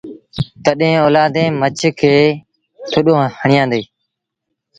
تڏهيݩ الآدين مڇ کي ٿڏو هڻيآندي۔